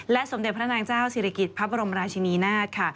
และสมเด็จพระพระนางเจ้าสิรกิฤตพระบรมราชินนาธ